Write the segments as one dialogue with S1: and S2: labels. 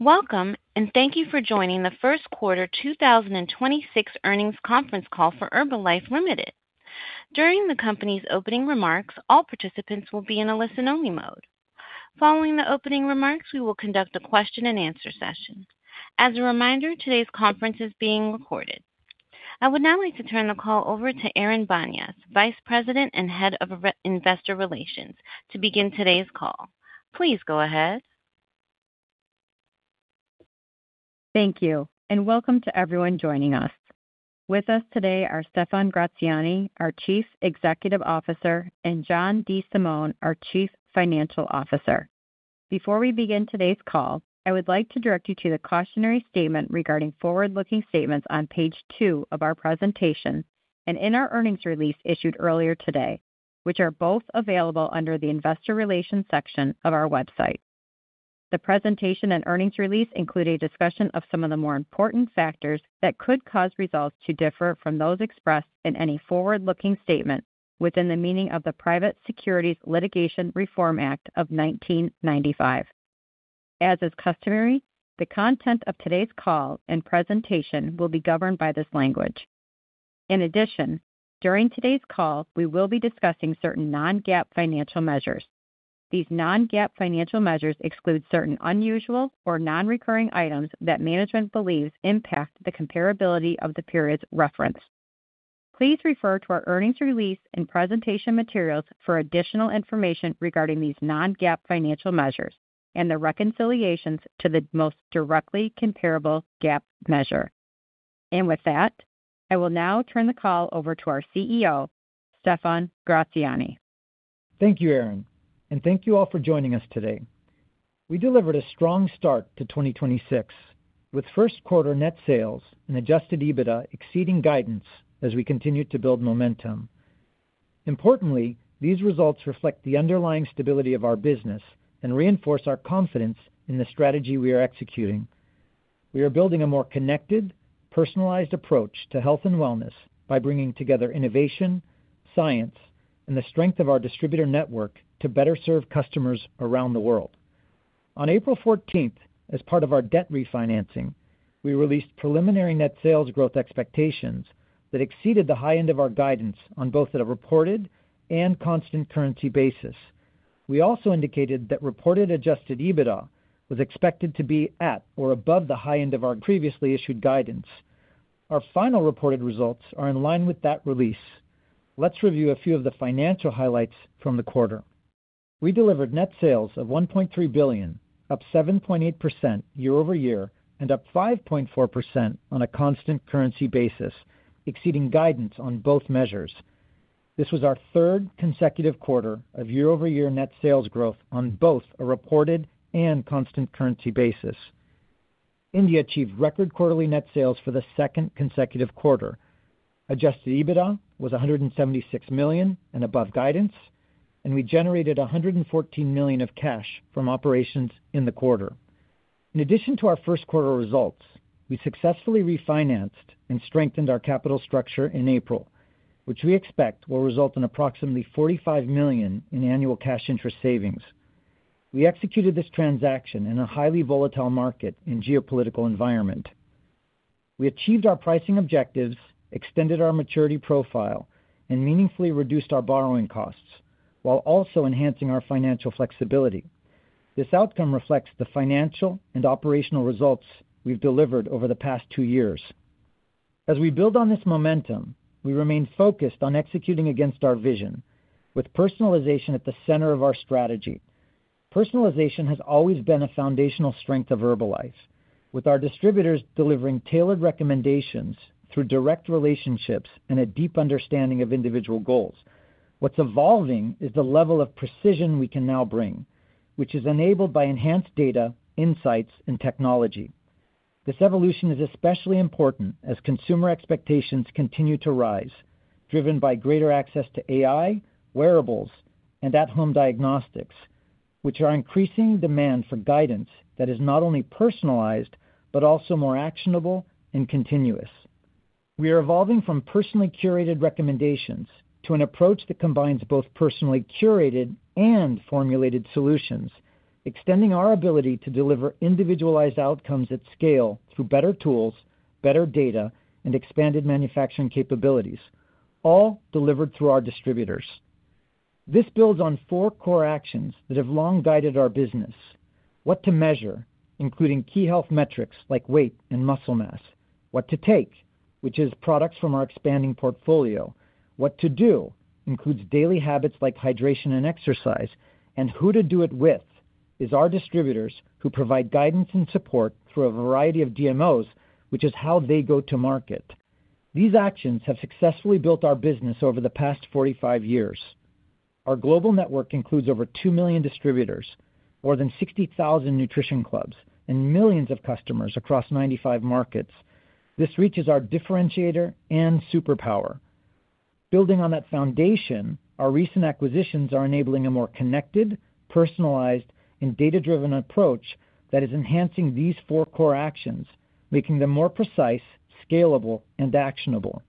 S1: Welcome, and thank you for joining the first quarter 2026 earnings conference call for Herbalife Ltd. During the company's opening remarks, all participants will be in a listen-only mode. Following the opening remarks, we will conduct a question-and-answer session. As a reminder, today's conference is being recorded. I would now like to turn the call over to Erin Banyas, Vice President and Head of Investor Relations, to begin today's call. Please go ahead.
S2: Thank you, and welcome to everyone joining us. With us today are Stephan Gratziani, our Chief Executive Officer, and John DeSimone, our Chief Financial Officer. Before we begin today's call, I would like to direct you to the cautionary statement regarding forward-looking statements on page two of our presentation and in our earnings release issued earlier today, which are both available under the Investor Relations section of our website. The presentation and earnings release include a discussion of some of the more important factors that could cause results to differ from those expressed in any forward-looking statement within the meaning of the Private Securities Litigation Reform Act of 1995. As is customary, the content of today's call and presentation will be governed by this language. In addition, during today's call, we will be discussing certain non-GAAP financial measures. These non-GAAP financial measures exclude certain unusual or non-recurring items that management believes impact the comparability of the period's reference. Please refer to our earnings release and presentation materials for additional information regarding these non-GAAP financial measures and the reconciliations to the most directly comparable GAAP measure. With that, I will now turn the call over to our CEO, Stephan Gratziani.
S3: Thank you, Erin, and thank you all for joining us today. We delivered a strong start to 2026, with first quarter net sales and adjusted EBITDA exceeding guidance as we continued to build momentum. Importantly, these results reflect the underlying stability of our business and reinforce our confidence in the strategy we are executing. We are building a more connected, personalized approach to health and wellness by bringing together innovation, science, and the strength of our distributor network to better serve customers around the world. On April 14th, as part of our debt refinancing, we released preliminary net sales growth expectations that exceeded the high end of our guidance on both a reported and constant currency basis. We also indicated that reported adjusted EBITDA was expected to be at or above the high end of our previously issued guidance. Our final reported results are in line with that release. Let's review a few of the financial highlights from the quarter. We delivered net sales of $1.3 billion, up 7.8% year-over-year and up 5.4% on a constant currency basis, exceeding guidance on both measures. This was our third consecutive quarter of year-over-year net sales growth on both a reported and constant currency basis. India achieved record quarterly net sales for the second consecutive quarter. Adjusted EBITDA was $176 million and above guidance, and we generated $114 million of cash from operations in the quarter. In addition to our first quarter results, we successfully refinanced and strengthened our capital structure in April, which we expect will result in approximately $45 million in annual cash interest savings. We executed this transaction in a highly volatile market and geopolitical environment. We achieved our pricing objectives, extended our maturity profile, and meaningfully reduced our borrowing costs while also enhancing our financial flexibility. This outcome reflects the financial and operational results we've delivered over the past two years. As we build on this momentum, we remain focused on executing against our vision with personalization at the center of our strategy. Personalization has always been a foundational strength of Herbalife, with our distributors delivering tailored recommendations through direct relationships and a deep understanding of individual goals. What's evolving is the level of precision we can now bring, which is enabled by enhanced data, insights, and technology. This evolution is especially important as consumer expectations continue to rise, driven by greater access to AI, wearables, and at-home diagnostics, which are increasing demand for guidance that is not only personalized, but also more actionable and continuous. We are evolving from personally curated recommendations to an approach that combines both personally curated and formulated solutions, extending our ability to deliver individualized outcomes at scale through better tools, better data, and expanded manufacturing capabilities, all delivered through our distributors. This builds on four core actions that have long guided our business. What to measure, including key health metrics like weight and muscle mass. What to take, which is products from our expanding portfolio. What to do includes daily habits like hydration and exercise. Who to do it with is our distributors who provide guidance and support through a variety of DMOs, which is how they go to market. These actions have successfully built our business over the past 45 years. Our global network includes over 2 million distributors, more than 60,000 Nutrition Clubs, and millions of customers across 95 markets. This reaches our differentiator and superpower. Building on that foundation, our recent acquisitions are enabling a more connected, personalized, and data-driven approach that is enhancing these four core actions, making them more precise, scalable, and actionable.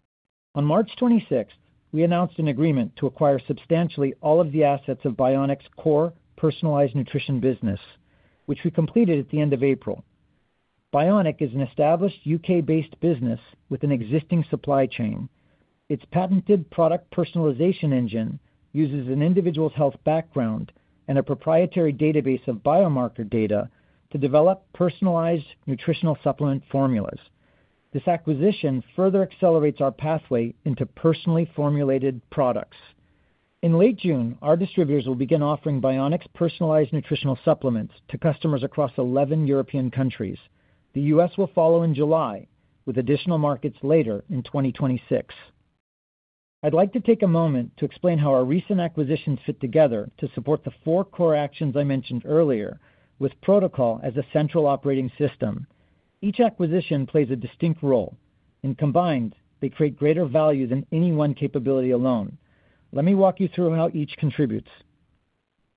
S3: On March 26th, we announced an agreement to acquire substantially all of the assets of Bioniq's CORE personalized nutrition business, which we completed at the end of April. Bioniq is an established U.K.-based business with an existing supply chain. Its patented product personalization engine uses an individual's health background and a proprietary database of biomarker data to develop personalized nutritional supplement formulas. This acquisition further accelerates our pathway into personally formulated products. In late June, our distributors will begin offering Bioniq's personalized nutritional supplements to customers across 11 European countries. The U.S. will follow in July, with additional markets later in 2026. I'd like to take a moment to explain how our recent acquisitions fit together to support the four core actions I mentioned earlier with Pro2col as a central operating system. Each acquisition plays a distinct role, and combined, they create greater value than any one capability alone. Let me walk you through how each contributes.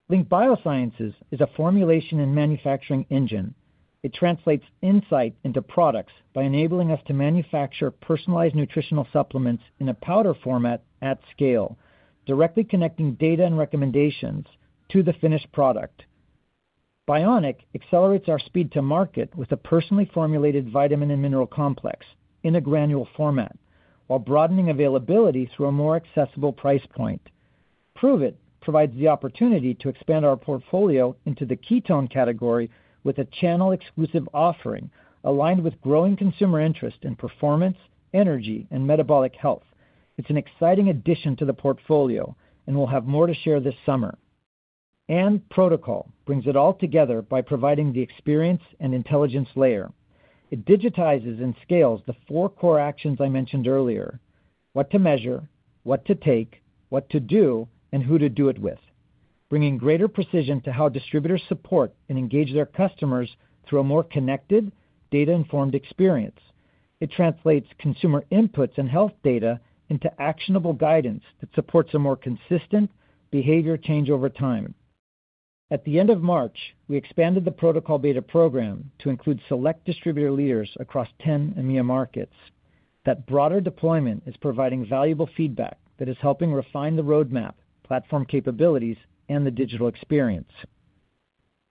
S3: Link BioSciences is a formulation and manufacturing engine. It translates insight into products by enabling us to manufacture personalized nutritional supplements in a powder format at scale, directly connecting data and recommendations to the finished product. Bioniq accelerates our speed to market with a personally formulated vitamin and mineral complex in a granule format while broadening availability through a more accessible price point. Pruvit provides the opportunity to expand our portfolio into the ketone category with a channel-exclusive offering aligned with growing consumer interest in performance, energy, and metabolic health. It's an exciting addition to the portfolio, and we'll have more to share this summer. Pro2col brings it all together by providing the experience and intelligence layer. It digitizes and scales the four core actions I mentioned earlier: what to measure, what to take, what to do, and who to do it with, bringing greater precision to how distributors support and engage their customers through a more connected, data-informed experience. It translates consumer inputs and health data into actionable guidance that supports a more consistent behavior change over time. At the end of March, we expanded the Pro2col beta program to include select distributor leaders across 10 EMEA markets. That broader deployment is providing valuable feedback that is helping refine the roadmap, platform capabilities, and the digital experience.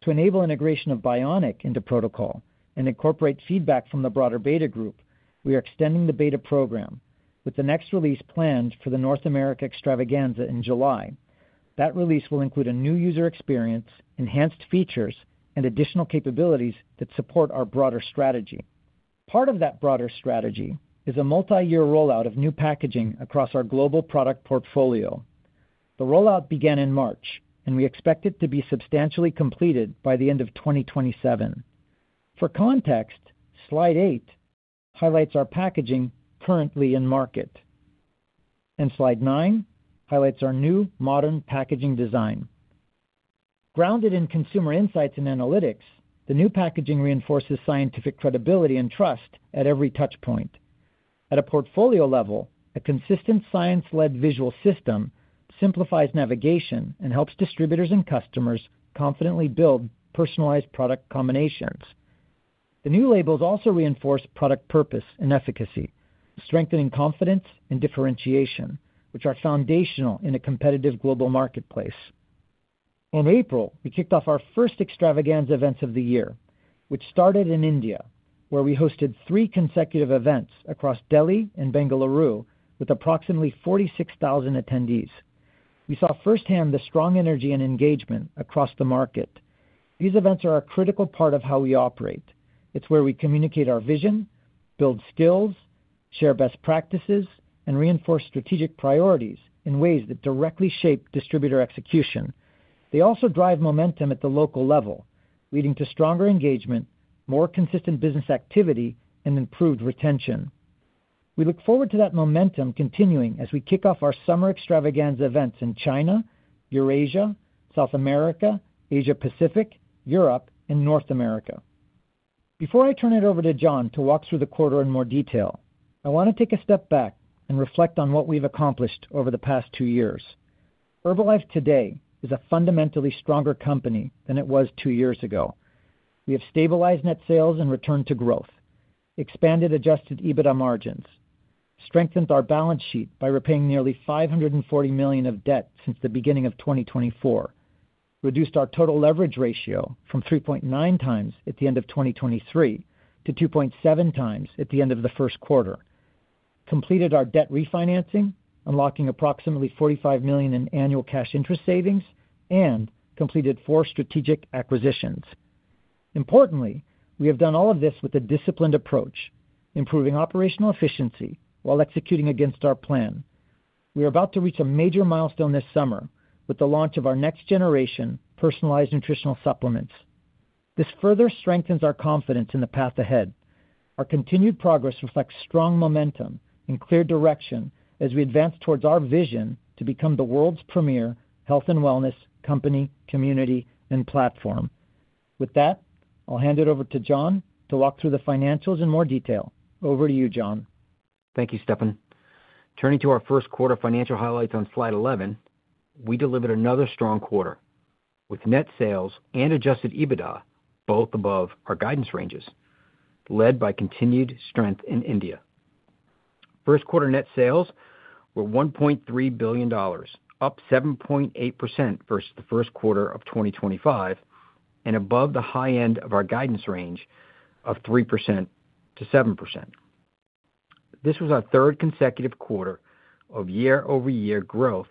S3: To enable integration of Bioniq into Pro2col and incorporate feedback from the broader beta group, we are extending the beta program, with the next release planned for the North America Extravaganza in July. That release will include a new user experience, enhanced features, and additional capabilities that support our broader strategy. Part of that broader strategy is a multi-year rollout of new packaging across our global product portfolio. The rollout began in March, and we expect it to be substantially completed by the end of 2027. For context, slide eight highlights our packaging currently in market, and slide nine highlights our new modern packaging design. Grounded in consumer insights and analytics, the new packaging reinforces scientific credibility and trust at every touchpoint. At a portfolio level, a consistent science-led visual system simplifies navigation and helps distributors and customers confidently build personalized product combinations. The new labels also reinforce product purpose and efficacy, strengthening confidence and differentiation, which are foundational in a competitive global marketplace. In April, we kicked off our first Extravaganza events of the year, which started in India, where we hosted three consecutive events across Delhi and Bengaluru with approximately 46,000 attendees. We saw firsthand the strong energy and engagement across the market. These events are a critical part of how we operate. It's where we communicate our vision, build skills, share best practices, and reinforce strategic priorities in ways that directly shape distributor execution. They also drive momentum at the local level, leading to stronger engagement, more consistent business activity, and improved retention. We look forward to that momentum continuing as we kick off our summer Extravaganza events in China, Eurasia, South America, Asia-Pacific, Europe, and North America. Before I turn it over to John to walk through the quarter in more detail, I wanna take a step back and reflect on what we've accomplished over the past two years. Herbalife today is a fundamentally stronger company than it was two years ago. We have stabilized net sales and returned to growth, expanded adjusted EBITDA margins, strengthened our balance sheet by repaying nearly $540 million of debt since the beginning of 2024, reduced our total leverage ratio from 3.9x at the end of 2023 to 2.7x at the end of the first quarter, completed our debt refinancing, unlocking approximately $45 million in annual cash interest savings, and completed four strategic acquisitions. Importantly, we have done all of this with a disciplined approach, improving operational efficiency while executing against our plan. We are about to reach a major milestone this summer with the launch of our next-generation personalized nutritional supplements. This further strengthens our confidence in the path ahead. Our continued progress reflects strong momentum and clear direction as we advance towards our vision to become the world's premier health and wellness company, community, and platform. With that, I'll hand it over to John to walk through the financials in more detail. Over to you, John.
S4: Thank you, Stephan. Turning to our first quarter financial highlights on slide 11, we delivered another strong quarter. With net sales and adjusted EBITDA both above our guidance ranges, led by continued strength in India. First quarter net sales were $1.3 billion, up 7.8% versus the first quarter of 2025, and above the high end of our guidance range of 3%-7%. This was our third consecutive quarter of year-over-year growth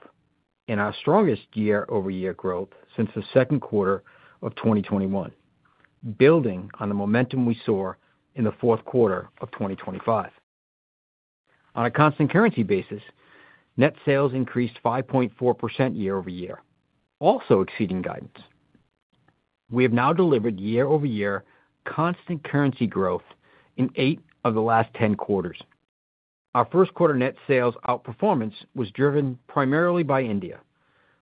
S4: and our strongest year-over-year growth since the second quarter of 2021, building on the momentum we saw in the fourth quarter of 2025. On a constant currency basis, net sales increased 5.4% year-over-year, also exceeding guidance. We have now delivered year-over-year constant currency growth in eight of the last 10 quarters. Our first quarter net sales outperformance was driven primarily by India,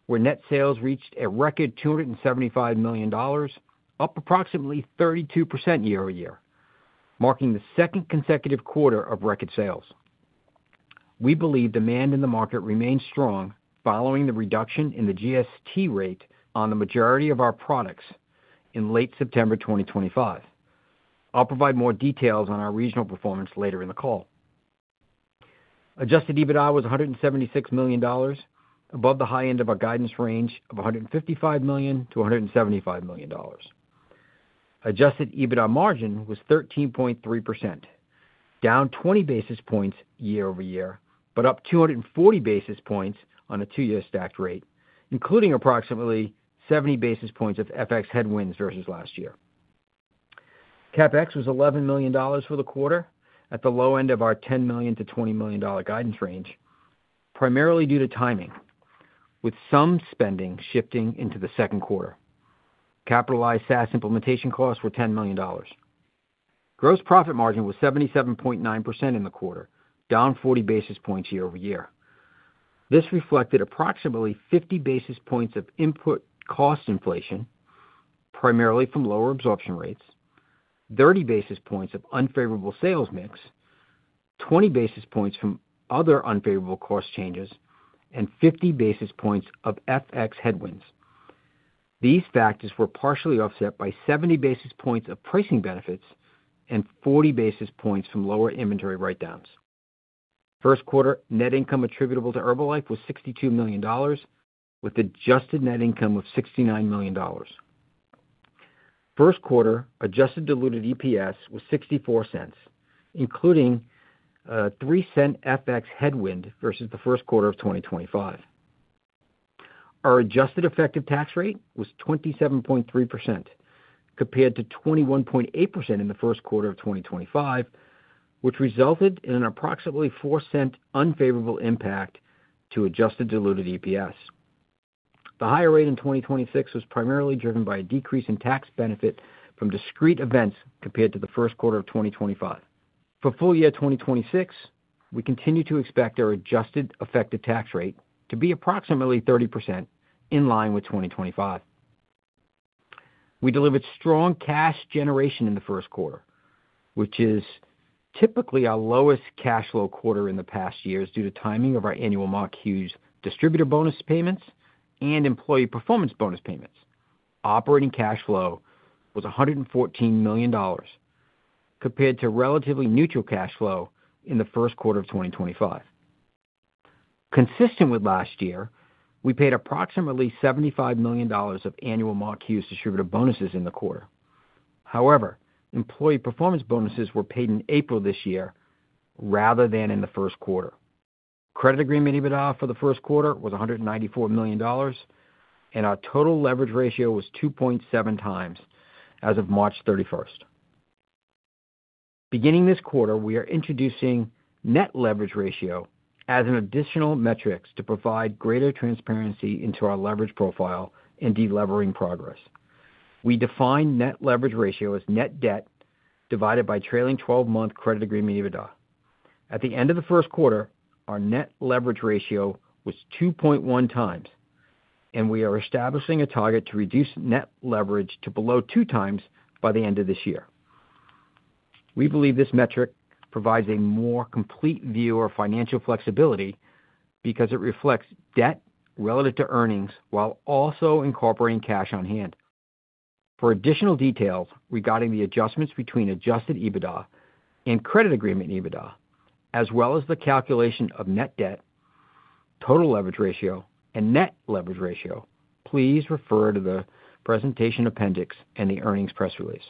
S4: where net sales reached a record $275 million, up approximately 32% year-over-year, marking the second consecutive quarter of record sales. We believe demand in the market remains strong following the reduction in the GST rate on the majority of our products in late September 2025. I'll provide more details on our regional performance later in the call. adjusted EBITDA was $176 million, above the high end of our guidance range of $155 million-$175 million. adjusted EBITDA margin was 13.3%, down 20 basis points year-over-year, but up 240 basis points on a two-year stacked rate, including approximately 70 basis points of FX headwinds versus last year. CapEx was $11 million for the quarter, at the low end of our $10 million-$20 million guidance range, primarily due to timing, with some spending shifting into the second quarter. Capitalized SaaS implementation costs were $10 million. Gross profit margin was 77.9% in the quarter, down 40 basis points year-over-year. This reflected approximately 50 basis points of input cost inflation, primarily from lower absorption rates, 30 basis points of unfavorable sales mix, 20 basis points from other unfavorable cost changes, and 50 basis points of FX headwinds. These factors were partially offset by 70 basis points of pricing benefits and 40 basis points from lower inventory write-downs. First quarter net income attributable to Herbalife was $62 million, with adjusted net income of $69 million. First quarter adjusted diluted EPS was $0.64, including a $0.03 FX headwind versus the first quarter of 2025. Our adjusted effective tax rate was 27.3%, compared to 21.8% in the first quarter of 2025, which resulted in an approximately $0.04 unfavorable impact to adjusted diluted EPS. The higher rate in 2026 was primarily driven by a decrease in tax benefit from discrete events compared to the first quarter of 2025. For full year 2026, we continue to expect our adjusted effective tax rate to be approximately 30% in line with 2025. We delivered strong cash generation in the first quarter, which is typically our lowest cash flow quarter in the past years due to timing of our annual Mark Hughes distributor bonus payments and employee performance bonus payments. Operating cash flow was $114 million, compared to relatively neutral cash flow in the first quarter of 2025. Consistent with last year, we paid approximately $75 million of annual Mark Hughes distributor bonuses in the quarter. However, employee performance bonuses were paid in April this year rather than in the first quarter. Credit Agreement EBITDA for the first quarter was $194 million, and our total leverage ratio was 2.7x as of March 31st. Beginning this quarter, we are introducing Net Leverage Ratio as an additional metrics to provide greater transparency into our leverage profile and delevering progress. We define Net Leverage Ratio as net debt divided by trailing twelve-month Credit Agreement EBITDA. At the end of the first quarter, our Net Leverage Ratio was 2.1x, and we are establishing a target to reduce net leverage to below 2x by the end of this year. We believe this metric provides a more complete view of financial flexibility because it reflects debt relative to earnings while also incorporating cash on hand. For additional details regarding the adjustments between adjusted EBITDA and Credit Agreement EBITDA, as well as the calculation of net debt, Total Leverage Ratio, and Net Leverage Ratio, please refer to the presentation appendix and the earnings press release.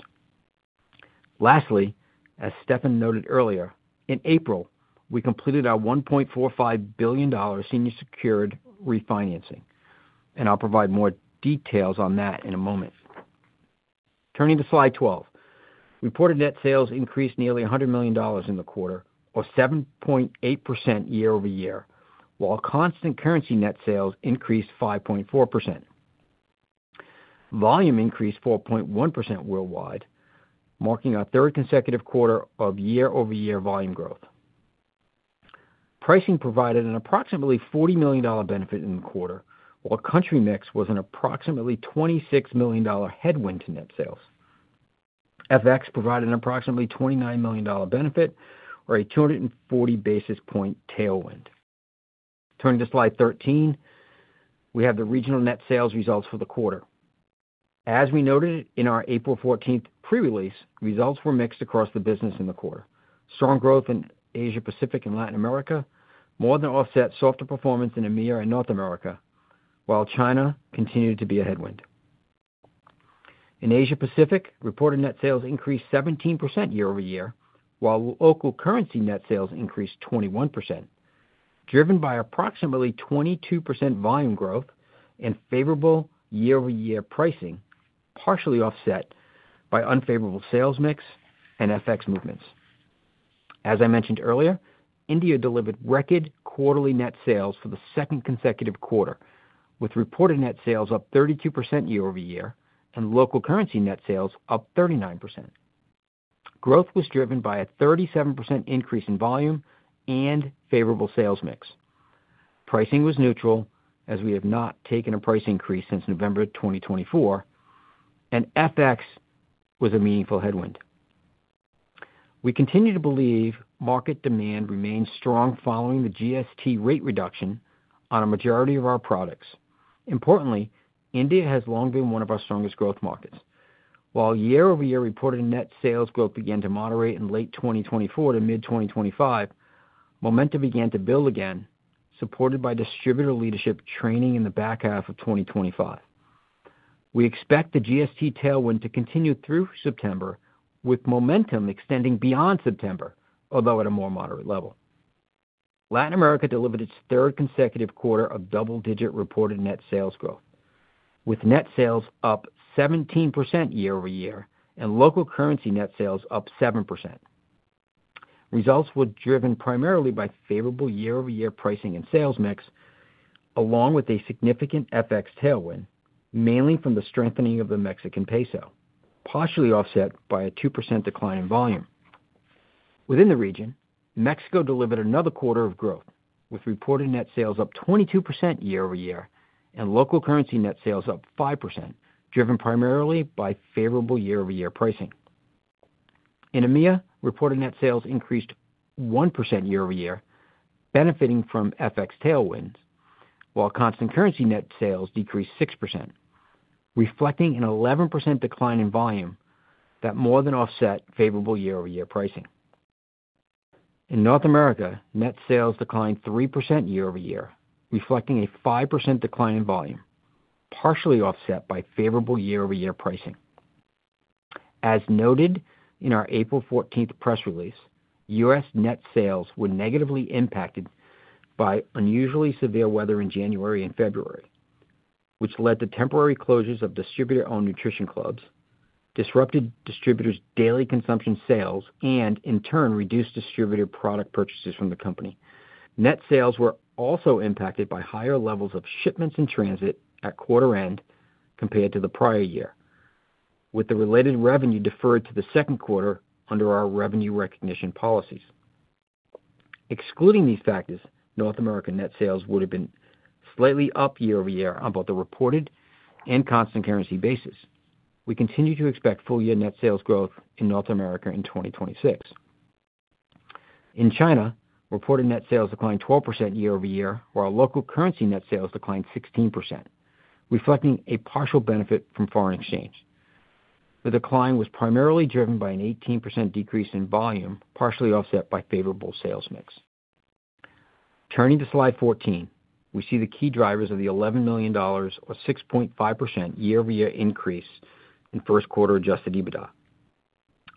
S4: Lastly, as Stephan noted earlier, in April, we completed our $1.45 billion senior secured refinancing, and I'll provide more details on that in a moment. Turning to Slide 12. Reported net sales increased nearly $100 million in the quarter, or 7.8% year-over-year, while constant currency net sales increased 5.4%. Volume increased 4.1% worldwide, marking our third consecutive quarter of year-over-year volume growth. Pricing provided an approximately $40 million benefit in the quarter, while country mix was an approximately $26 million headwind to net sales. FX provided an approximately $29 million benefit or a 240 basis point tailwind. Turning to slide 13, we have the regional net sales results for the quarter. As we noted in our April 14th pre-release, results were mixed across the business in the quarter. Strong growth in Asia Pacific and Latin America more than offset softer performance in EMEA and North America, while China continued to be a headwind. In Asia Pacific, reported net sales increased 17% year-over-year, while local currency net sales increased 21%, driven by approximately 22% volume growth and favorable year-over-year pricing, partially offset by unfavorable sales mix and FX movements. As I mentioned earlier, India delivered record quarterly net sales for the second consecutive quarter, with reported net sales up 32% year-over-year and local currency net sales up 39%. Growth was driven by a 37% increase in volume and favorable sales mix. Pricing was neutral, as we have not taken a price increase since November 2024, and FX was a meaningful headwind. We continue to believe market demand remains strong following the GST rate reduction on a majority of our products. Importantly, India has long been one of our strongest growth markets. While year-over-year reported net sales growth began to moderate in late 2024 to mid 2025, momentum began to build again, supported by distributor leadership training in the back half of 2025. We expect the GST tailwind to continue through September, with momentum extending beyond September, although at a more moderate level. Latin America delivered its third consecutive quarter of double-digit reported net sales growth, with net sales up 17% year-over-year and local currency net sales up 7%. Results were driven primarily by favorable year-over-year pricing and sales mix, along with a significant FX tailwind, mainly from the strengthening of the Mexican peso, partially offset by a 2% decline in volume. Within the region, Mexico delivered another quarter of growth, with reported net sales up 22% year-over-year and local currency net sales up 5%, driven primarily by favorable year-over-year pricing. In EMEA, reported net sales increased 1% year-over-year, benefiting from FX tailwinds, while constant currency net sales decreased 6%, reflecting an 11% decline in volume that more than offset favorable year-over-year pricing. In North America, net sales declined 3% year-over-year, reflecting a 5% decline in volume, partially offset by favorable year-over-year pricing. As noted in our April 14th press release, U.S. net sales were negatively impacted by unusually severe weather in January and February, which led to temporary closures of distributor-owned Nutrition Clubs, disrupted distributors' daily consumption sales and, in turn, reduced distributor product purchases from the company. Net sales were also impacted by higher levels of shipments in transit at quarter end compared to the prior year, with the related revenue deferred to the second quarter under our revenue recognition policies. Excluding these factors, North American net sales would have been slightly up year-over-year on both the reported and constant currency basis. We continue to expect full year net sales growth in North America in 2026. In China, reported net sales declined 12% year-over-year, while local currency net sales declined 16%, reflecting a partial benefit from foreign exchange. The decline was primarily driven by an 18% decrease in volume, partially offset by favorable sales mix. Turning to slide 14, we see the key drivers of the $11 million or 6.5% year-over-year increase in first quarter adjusted EBITDA.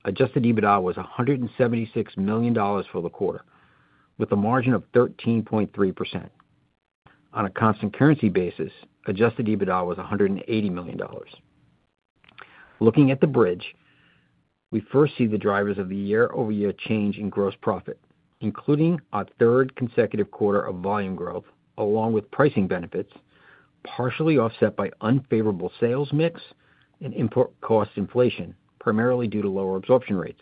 S4: Adjusted EBITDA was $176 million for the quarter, with a margin of 13.3%. On a constant currency basis, adjusted EBITDA was $180 million. Looking at the bridge, we first see the drivers of the year-over-year change in gross profit, including our third consecutive quarter of volume growth, along with pricing benefits, partially offset by unfavorable sales mix and import cost inflation, primarily due to lower absorption rates.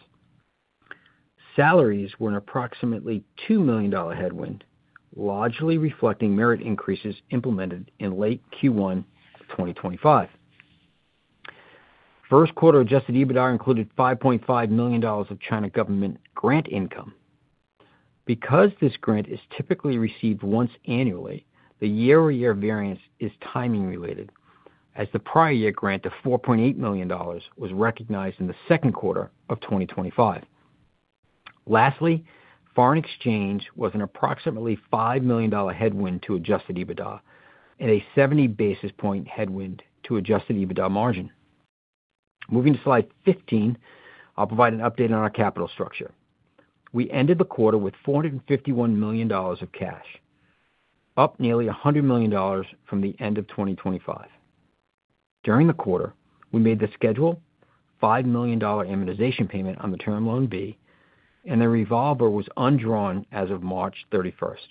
S4: Salaries were an approximately $2 million headwind, largely reflecting merit increases implemented in late Q1 2025. First quarter adjusted EBITDA included $5.5 million of China government grant income. Because this grant is typically received once annually, the year-over-year variance is timing related, as the prior year grant of $4.8 million was recognized in the second quarter of 2025. Lastly, foreign exchange was an approximately $5 million headwind to adjusted EBITDA and a 70 basis point headwind to adjusted EBITDA margin. Moving to slide 15, I'll provide an update on our capital structure. We ended the quarter with $451 million of cash, up nearly $100 million from the end of 2025. During the quarter, we made the scheduled $5 million amortization payment on the Term Loan B, and the revolver was undrawn as of March 31st.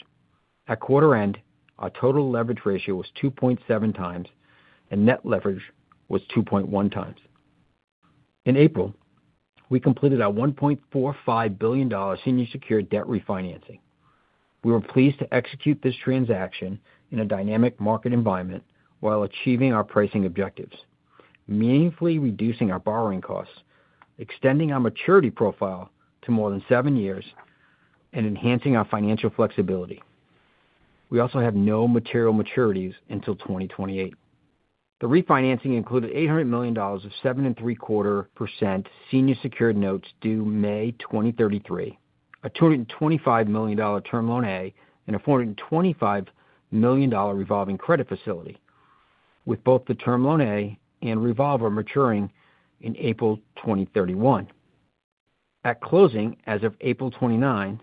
S4: At quarter end, our total leverage ratio was 2.7x, and net leverage was 2.1x. In April, we completed our $1.45 billion senior secured debt refinancing. We were pleased to execute this transaction in a dynamic market environment while achieving our pricing objectives, meaningfully reducing our borrowing costs, extending our maturity profile to more than seven years, and enhancing our financial flexibility. We also have no material maturities until 2028. The refinancing included $800 million of 7.75% senior secured notes due May 2033, a $225 million Term Loan A, and a $425 million revolving credit facility, with both the Term Loan A and revolver maturing in April 2031. At closing, as of April 29,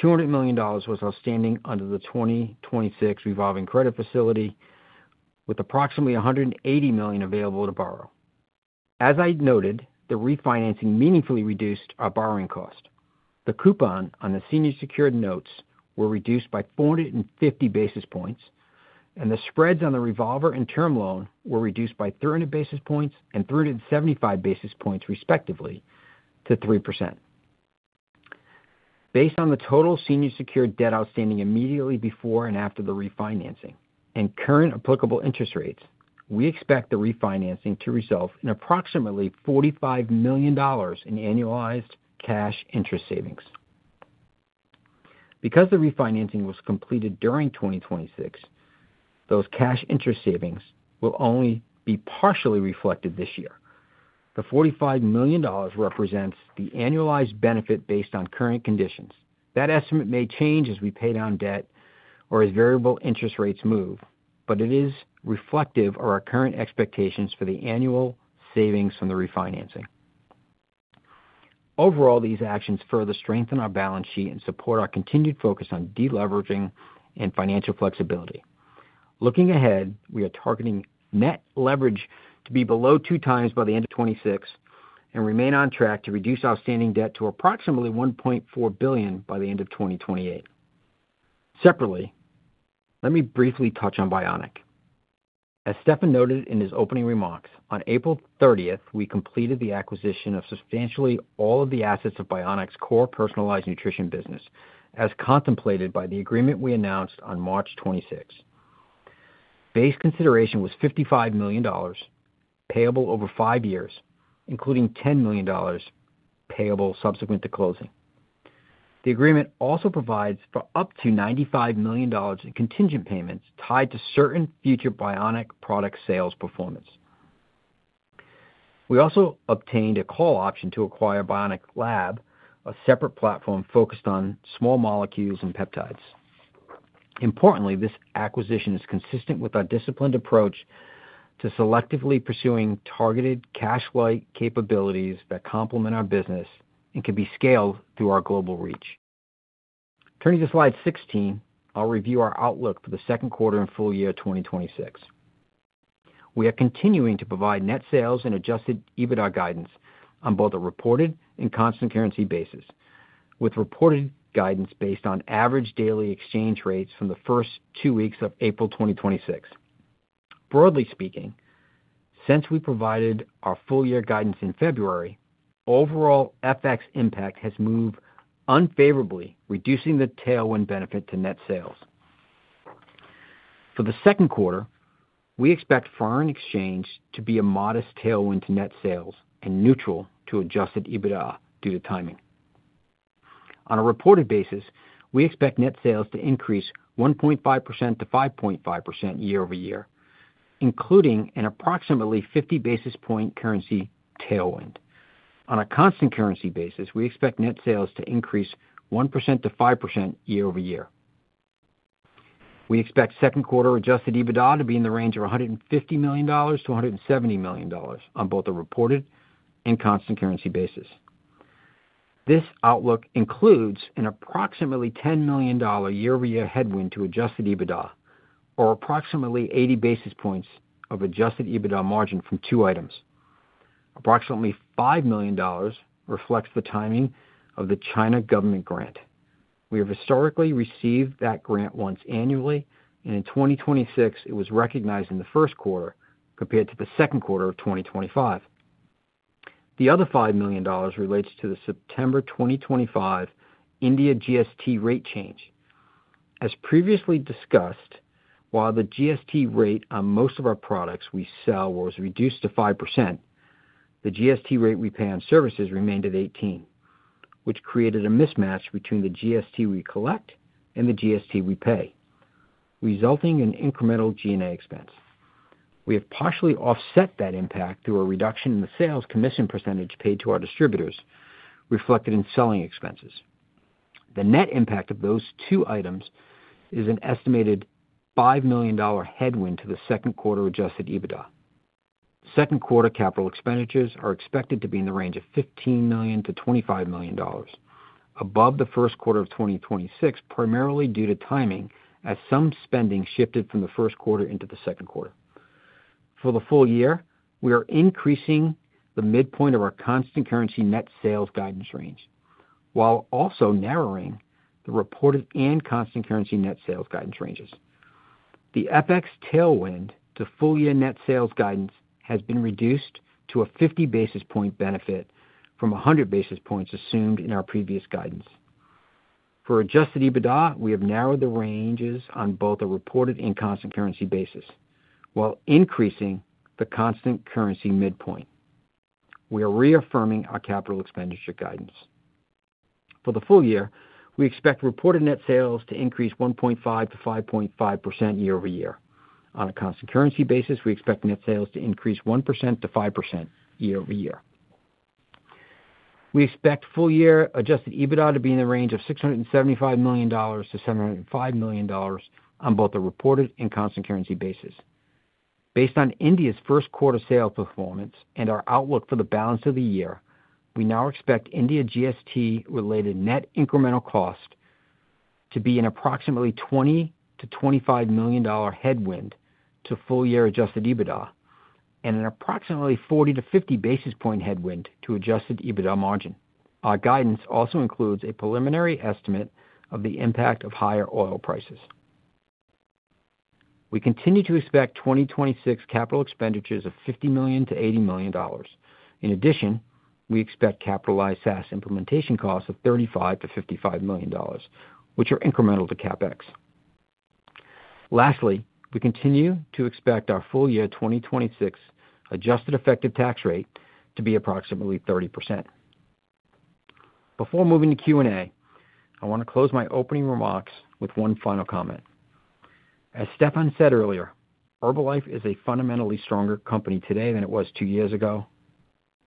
S4: $200 million was outstanding under the 2026 revolving credit facility, with approximately $180 million available to borrow. As I noted, the refinancing meaningfully reduced our borrowing cost. The coupon on the senior secured notes were reduced by 450 basis points, and the spreads on the revolver and term loan were reduced by 300 basis points and 375 basis points respectively to 3%. Based on the total senior secured debt outstanding immediately before and after the refinancing and current applicable interest rates, we expect the refinancing to result in approximately $45 million in annualized cash interest savings. Because the refinancing was completed during 2026, those cash interest savings will only be partially reflected this year. The $45 million represents the annualized benefit based on current conditions. That estimate may change as we pay down debt or as variable interest rates move, but it is reflective of our current expectations for the annual savings from the refinancing. Overall, these actions further strengthen our balance sheet and support our continued focus on deleveraging and financial flexibility. Looking ahead, we are targeting net leverage to be below 2x by the end of 2026 and remain on track to reduce outstanding debt to approximately $1.4 billion by the end of 2028. Separately, let me briefly touch on Bioniq. As Stephan noted in his opening remarks, on April 30th, we completed the acquisition of substantially all of the assets of Bioniq's core personalized nutrition business, as contemplated by the agreement we announced on March 26. Base consideration was $55 million payable over five years, including $10 million payable subsequent to closing. The agreement also provides for up to $95 million in contingent payments tied to certain future Bioniq product sales performance. We also obtained a call option to acquire Bioniq LAB, a separate platform focused on small molecules and peptides. Importantly, this acquisition is consistent with our disciplined approach to selectively pursuing targeted cash-wide capabilities that complement our business and can be scaled through our global reach. Turning to slide 16, I will review our outlook for the second quarter and full year 2026. We are continuing to provide net sales and adjusted EBITDA guidance on both a reported and constant currency basis, with reported guidance based on average daily exchange rates from the first two weeks of April 2026. Broadly speaking, since we provided our full year guidance in February, overall FX impact has moved unfavorably, reducing the tailwind benefit to net sales. For the second quarter, we expect foreign exchange to be a modest tailwind to net sales and neutral to adjusted EBITDA due to timing. On a reported basis, we expect net sales to increase 1.5%-5.5% year-over-year, including an approximately 50 basis point currency tailwind. On a constant currency basis, we expect net sales to increase 1%-5% year-over-year. We expect second quarter adjusted EBITDA to be in the range of $150 million-$170 million on both a reported and constant currency basis. This outlook includes an approximately $10 million year-over-year headwind to adjusted EBITDA, or approximately 80 basis points of adjusted EBITDA margin from two items. Approximately $5 million reflects the timing of the China government grant. We have historically received that grant once annually, and in 2026 it was recognized in the first quarter compared to the second quarter of 2025. The other $5 million relates to the September 2025 India GST rate change. As previously discussed, while the GST rate on most of our products we sell was reduced to 5%, the GST rate we pay on services remained at 18%, which created a mismatch between the GST we collect and the GST we pay, resulting in incremental G&A expense. We have partially offset that impact through a reduction in the sales commission percentage paid to our distributors, reflected in selling expenses. The net impact of those two items is an estimated $5 million headwind to the second quarter adjusted EBITDA. Second quarter capital expenditures are expected to be in the range of $15 million-$25 million, above the first quarter of 2026, primarily due to timing as some spending shifted from the first quarter into the second quarter. For the full year, we are increasing the midpoint of our constant currency net sales guidance range, while also narrowing the reported and constant currency net sales guidance ranges. The FX tailwind to full-year net sales guidance has been reduced to a 50 basis point benefit from a 100 basis points assumed in our previous guidance. For adjusted EBITDA, we have narrowed the ranges on both a reported and constant currency basis while increasing the constant currency midpoint. We are reaffirming our capital expenditure guidance. For the full year, we expect reported net sales to increase 1.5%-5.5% year-over-year. On a constant currency basis, we expect net sales to increase 1%-5% year-over-year. We expect full-year adjusted EBITDA to be in the range of $675 million to $705 million on both a reported and constant currency basis. Based on India's first quarter sales performance and our outlook for the balance of the year, we now expect India GST-related net incremental cost to be an approximately $20 million-$25 million headwind to full-year adjusted EBITDA and an approximately 40 to 50 basis point headwind to adjusted EBITDA margin. Our guidance also includes a preliminary estimate of the impact of higher oil prices. We continue to expect 2026 capital expenditures of $50 million-$80 million. In addition, we expect capitalized SaaS implementation costs of $35 million-$55 million, which are incremental to CapEx. Lastly, we continue to expect our full-year 2026 adjusted effective tax rate to be approximately 30%. Before moving to Q&A, I want to close my opening remarks with one final comment. As Stephan said earlier, Herbalife is a fundamentally stronger company today than it was two years ago,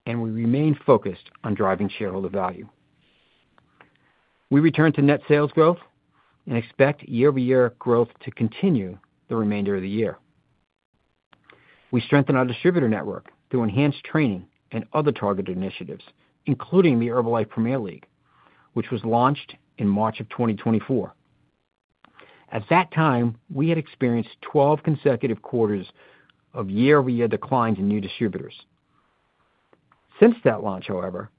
S4: and we remain focused on driving shareholder value. We return to net sales growth and expect year-over-year growth to continue the remainder of the year. We strengthen our distributor network through enhanced training and other targeted initiatives, including the Herbalife Premier League, which was launched in March of 2024. At that time, we had experienced 12 consecutive quarters of year-over-year declines in new distributors. Since that launch, however,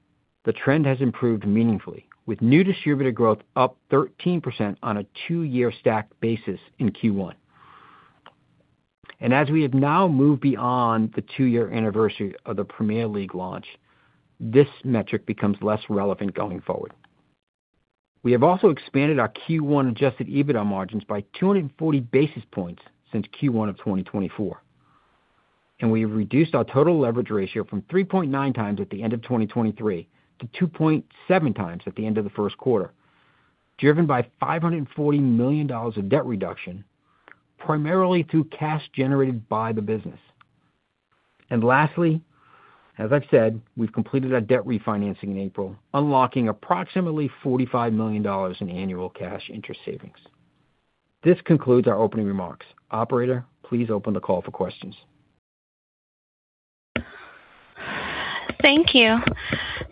S4: the trend has improved meaningfully, with new distributor growth up 13% on a two year stacked basis in Q1. As we have now moved beyond the two year anniversary of the Premier League launch, this metric becomes less relevant going forward. We have also expanded our Q1 adjusted EBITDA margins by 240 basis points since Q1 of 2024, we have reduced our total leverage ratio from 3.9x at the end of 2023 to 2.7x at the end of the first quarter, driven by $540 million of debt reduction, primarily through cash generated by the business. Lastly, as I've said, we've completed our debt refinancing in April, unlocking approximately $45 million in annual cash interest savings. This concludes our opening remarks. Operator, please open the call for questions.
S1: Thank you.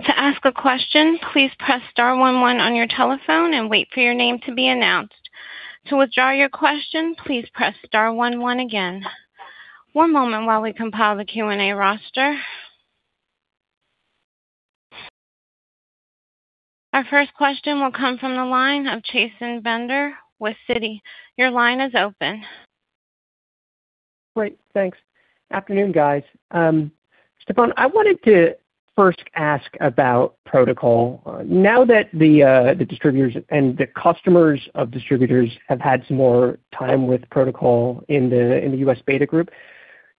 S1: To ask a question, please press star one, one on your telephone and wait for your name to be announced. To withdraw your question, please press star one, one again. One moment while we compile the Q&A roster. Our first question will come from the line of Chasen Bender with Citi. Your line is open.
S5: Great. Thanks. Afternoon, guys. Stephan, I wanted to first ask about Pro2col. Now that the distributors and the customers of distributors have had some more time with Pro2col in the U.S. beta group,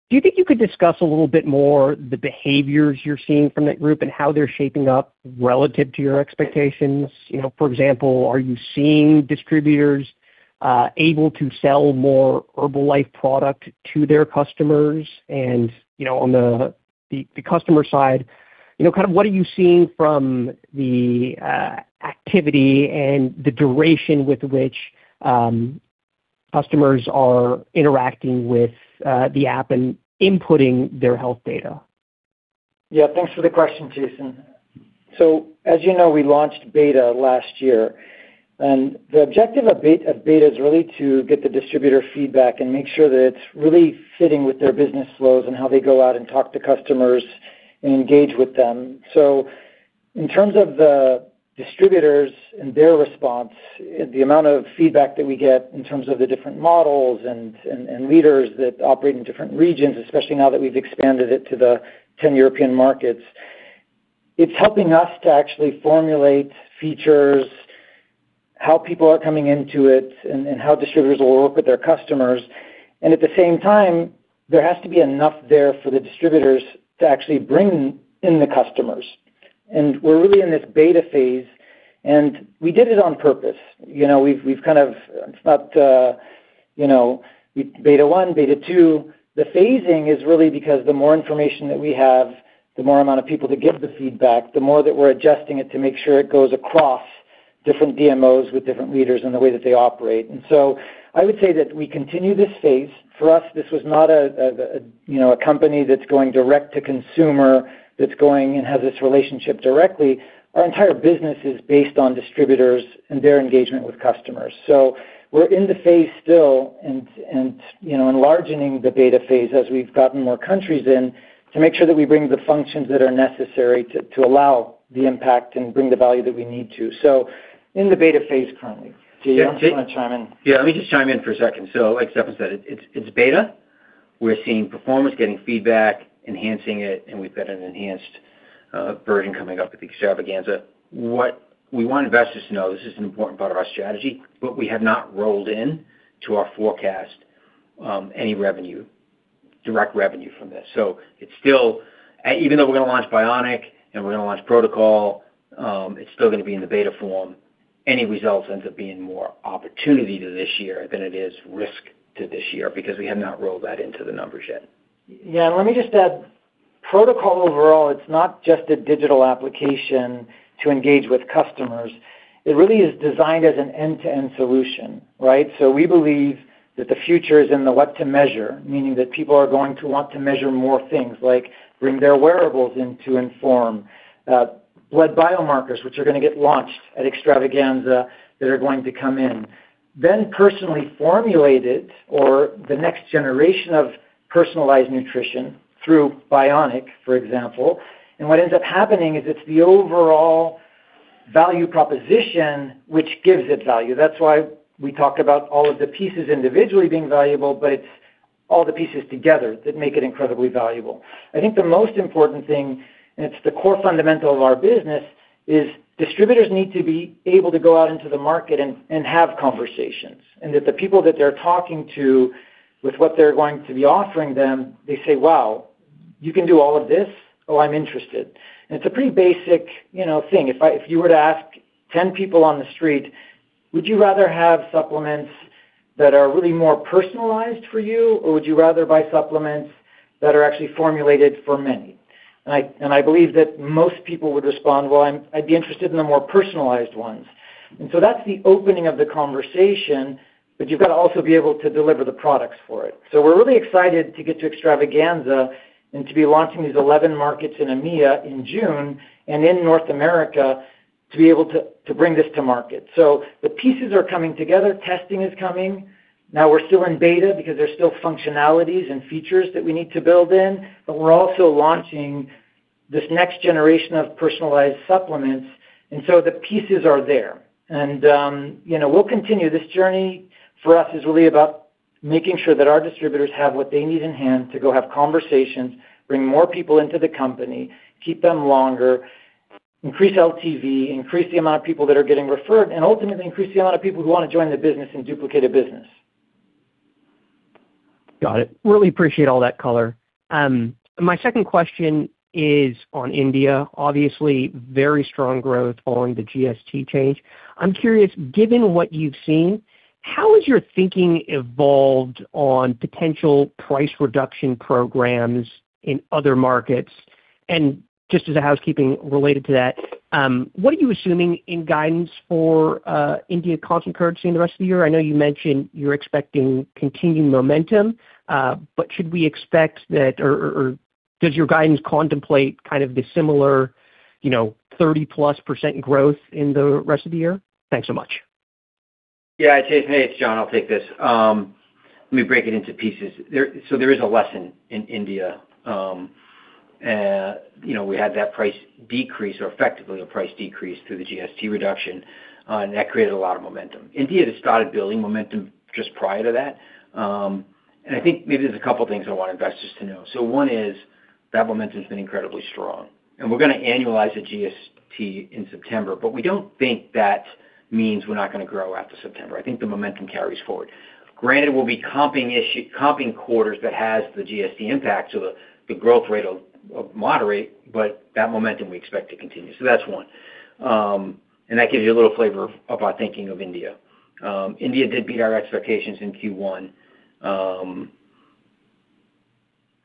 S5: do you think you could discuss a little bit more the behaviors you're seeing from that group and how they're shaping up relative to your expectations? You know, for example, are you seeing distributors able to sell more Herbalife product to their customers? You know, on the customer side, you know, kind of what are you seeing from the activity and the duration with which customers are interacting with the app and inputting their health data?
S3: Yeah. Thanks for the question, Chasen. As you know, we launched beta last year, and the objective of beta is really to get the distributor feedback and make sure that it's really fitting with their business flows and how they go out and talk to customers and engage with them. In terms of the distributors and their response, the amount of feedback that we get in terms of the different models and leaders that operate in different regions, especially now that we've expanded it to the 10 European markets, it's helping us to actually formulate features, how people are coming into it, and how distributors will work with their customers. At the same time, there has to be enough there for the distributors to actually bring in the customers. We're really in this beta phase, and we did it on purpose. You know, we've kind of stopped, you know, beta one, beta two. The phasing is really because the more information that we have, the more amount of people to give the feedback, the more that we're adjusting it to make sure it goes across different DMOs with different leaders and the way that they operate. I would say that we continue this phase. For us, this was not a, you know, a company that's going direct to consumer, that's going and has this relationship directly. Our entire business is based on distributors and their engagement with customers. We're in the phase still and, you know, enlargening the beta phase as we've gotten more countries in to make sure that we bring the functions that are necessary to allow the impact and bring the value that we need to. In the beta phase currently. John, you want to chime in?
S4: Yeah, let me just chime in for a second. Like Stephan said, it's beta. We're seeing performance, getting feedback, enhancing it, and we've got an enhanced version coming up with Extravaganza. What we want investors to know, this is an important part of our strategy, but we have not rolled in to our forecast any revenue, direct revenue from this. Even though we're gonna launch Bioniq and we're gonna launch Pro2col, it's still gonna be in the beta form. Any results ends up being more opportunity to this year than it is risk to this year because we have not rolled that into the numbers yet.
S3: Yeah, let me just add Pro2col overall, it's not just a digital application to engage with customers. It really is designed as an end-to-end solution, right? We believe that the future is in the what to measure, meaning that people are going to want to measure more things like bring their wearables in to inform blood biomarkers, which are gonna get launched at Extravaganza that are going to come in. Personally formulated or the next generation of personalized nutrition through Bioniq, for example. What ends up happening is it's the overall value proposition which gives it value. That's why we talked about all of the pieces individually being valuable, but it's all the pieces together that make it incredibly valuable. I think the most important thing, it's the core fundamental of our business, is distributors need to be able to go out into the market and have conversations. That the people that they're talking to with what they're going to be offering them, they say, wow, you can do all of this? Oh, I'm interested. It's a pretty basic, you know, thing. If you were to ask 10 people on the street, would you rather have supplements that are really more personalized for you, or would you rather buy supplements that are actually formulated for many? I, and I believe that most people would respond, well, I'd be interested in the more personalized ones. That's the opening of the conversation, but you've got to also be able to deliver the products for it. We're really excited to get to Extravaganza and to be launching these 11 markets in EMEA in June and in North America to be able to bring this to market. The pieces are coming together. Testing is coming. We're still in beta because there's still functionalities and features that we need to build in, but we're also launching this next generation of personalized supplements. The pieces are there. You know, we'll continue. This journey for us is really about making sure that our distributors have what they need in hand to go have conversations, bring more people into the company, keep them longer, increase LTV, increase the amount of people that are getting referred, and ultimately increase the amount of people who want to join the business and duplicate a business.
S5: Got it. Really appreciate all that color. My second question is on India. Obviously, very strong growth following the GST change. I'm curious, given what you've seen, how has your thinking evolved on potential price reduction programs in other markets? Just as a housekeeping related to that, what are you assuming in guidance for India constant currency in the rest of the year? I know you mentioned you're expecting continued momentum, but should we expect that or does your guidance contemplate kind of the similar, you know, 30%+ growth in the rest of the year? Thanks so much.
S4: Yeah, Chasen, hey, it's John. I'll take this. Let me break it into pieces. There is a lesson in India. You know, we had that price decrease or effectively a price decrease through the GST reduction, and that created a lot of momentum. India had started building momentum just prior to that. And I think maybe there's a couple things I want investors to know. One is that momentum has been incredibly strong, and we're gonna annualize the GST in September. We don't think that means we're not gonna grow after September. I think the momentum carries forward. Granted, we'll be comping quarters that has the GST impact, so the growth rate will moderate, but that momentum we expect to continue. That's one. And that gives you a little flavor of our thinking of India. India did beat our expectations in Q1.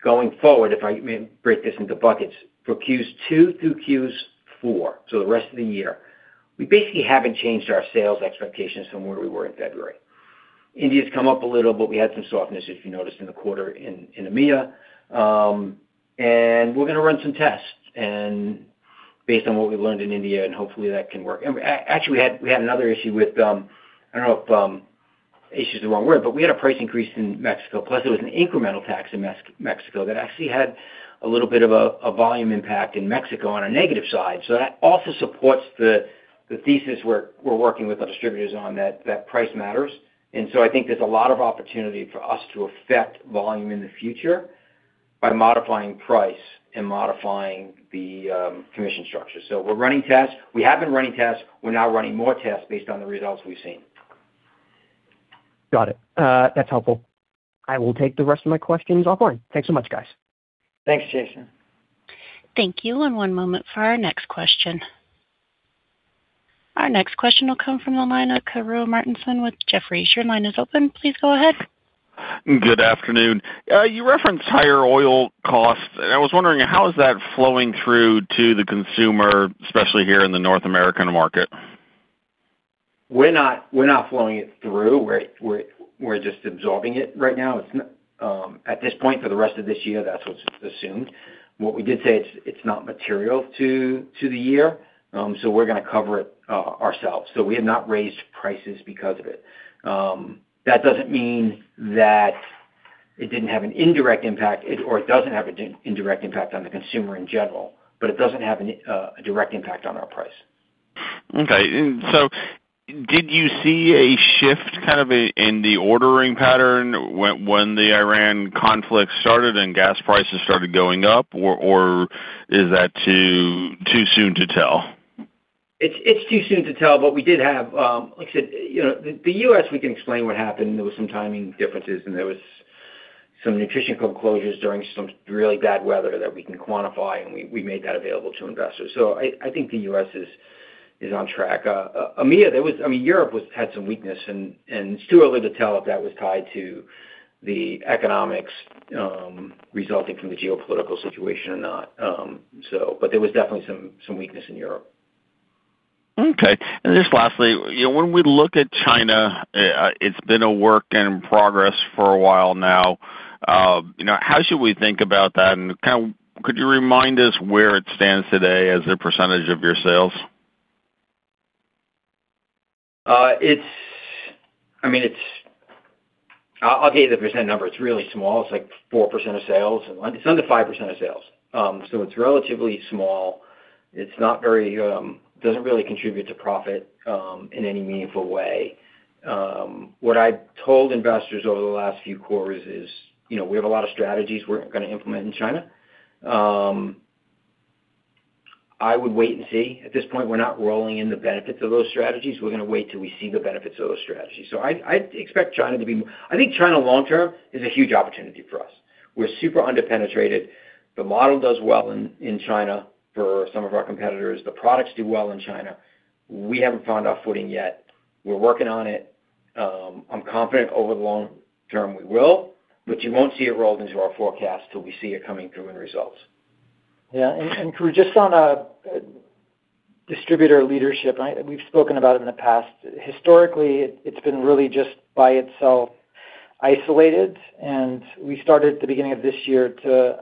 S4: Going forward, if I may break this into buckets. For Q2 through Q4, so the rest of the year, we basically haven't changed our sales expectations from where we were in February. India's come up a little, but we had some softness, if you noticed, in the quarter in EMEA. We're gonna run some tests and, based on what we learned in India, and hopefully that can work. Actually, we had another issue with, I don't know if issue is the wrong word, but we had a price increase in Mexico, plus there was an incremental tax in Mexico that actually had a little bit of a volume impact in Mexico on a negative side. That also supports the thesis we're working with our distributors on that price matters. I think there's a lot of opportunity for us to affect volume in the future by modifying price and modifying the commission structure. We're running tests. We have been running tests. We're now running more tests based on the results we've seen.
S5: Got it. That's helpful. I will take the rest of my questions offline. Thanks so much, guys.
S3: Thanks, Chasen.
S1: Thank you, and one moment for our next question. Our next question will come from the line of Karru Martinson with Jefferies. Your line is open. Please go ahead.
S6: Good afternoon. You referenced higher oil costs. I was wondering how is that flowing through to the consumer, especially here in the North American market?
S4: We're not flowing it through. We're just absorbing it right now. At this point, for the rest of this year, that's what's assumed. What we did say, it's not material to the year, so we're going to cover it ourselves. We have not raised prices because of it. That doesn't mean that it didn't have an indirect impact, or it doesn't have an indirect impact on the consumer in general, but it doesn't have a direct impact on our price.
S6: Okay. Did you see a shift kind of in the ordering pattern when the Iran conflict started and gas prices started going up or is that too soon to tell?
S4: It's too soon to tell, but we did have, like I said, you know, the U.S. we can explain what happened. There was some timing differences, and there was some Nutrition Club closures during some really bad weather that we can quantify, and we made that available to investors. I think the U.S. is on track. EMEA, I mean, Europe had some weakness, and it's too early to tell if that was tied to the economics resulting from the geopolitical situation or not. There was definitely some weakness in Europe.
S6: Okay. Just lastly, you know, when we look at China, it's been a work in progress for a while now. You know, how should we think about that? Could you remind us where it stands today as a percentage of your sales?
S4: I mean, I'll give you the percent number. It's really small. It's like 4% of sales. It's under 5% of sales. It's relatively small. It's not very, doesn't really contribute to profit in any meaningful way. What I've told investors over the last few quarters is, you know, we have a lot of strategies we're gonna implement in China. I would wait and see. At this point, we're not rolling in the benefits of those strategies. We're gonna wait till we see the benefits of those strategies. I'd expect China to be. I think China long term, is a huge opportunity for us. We're super under-penetrated. The model does well in China for some of our competitors. The products do well in China. We haven't found our footing yet. We're working on it. I'm confident over the long term we will, but you won't see it rolled into our forecast till we see it coming through in results.
S3: Yeah. Just on distributor leadership, we've spoken about it in the past. Historically, it's been really just by itself isolated, and we started at the beginning of this year to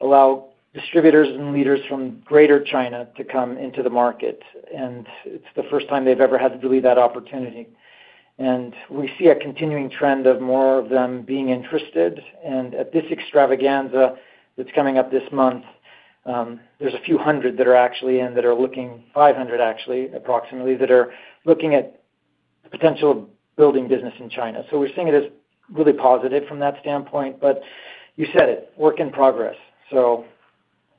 S3: allow distributors and leaders from Greater China to come into the market. It's the first time they've ever had really that opportunity. We see a continuing trend of more of them being interested. At this Extravaganza that's coming up this month, there's a few hundred that are actually in that are looking, 500 actually, approximately, that are looking at potential building business in China. We're seeing it as really positive from that standpoint. You said it, work in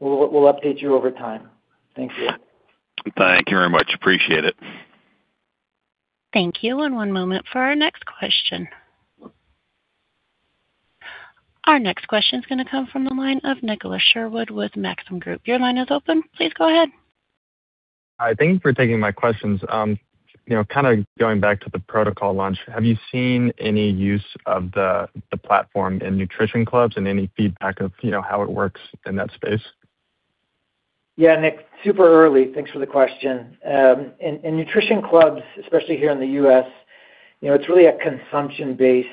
S3: progress. We'll update you over time. Thank you.
S6: Thank you very much. Appreciate it.
S1: Thank you. One moment for our next question. Our next question is going to come from the line of Nicholas Sherwood with Maxim Group. Your line is open. Please go ahead.
S7: Hi. Thank you for taking my questions. You know, kind of going back to the Pro2col launch, have you seen any use of the platform in Nutrition Clubs and any feedback of, you know, how it works in that space?
S3: Yeah, Nick, super early. Thanks for the question. And, Nutrition Clubs, especially here in the U.S., you know, it's really a consumption-based